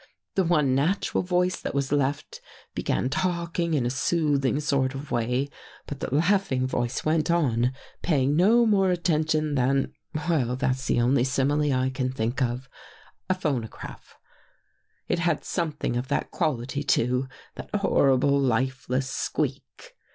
" The one natural voice that was left, began talk ing in a soothing sort of way, but the laughing voice went on, paying no more attention than — well, that's the only simile I can think of — a phono graph. It had something of that quality, too. That horrible, lifeless squeak.